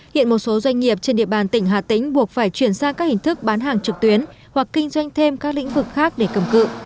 hiện một số doanh nghiệp trên địa bàn tỉnh hà tĩnh buộc phải chuyển sang các hình thức bán hàng trực tuyến hoặc kinh doanh thêm các lĩnh vực khác để cầm cự